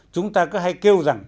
chúng ta cứ hay kêu rằng